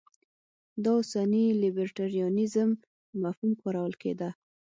دا اوسني لیبرټریانیزم په مفهوم کارول کېده.